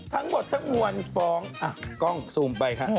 ทั้งหมดทั้งวันฟ้องอ่ะกล้องซูมไปค่ะ